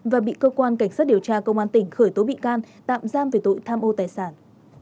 và bị cơ quan cảnh sát điều tra công an tỉnh khởi tố bị can tạm giam về tội tham ô tài sản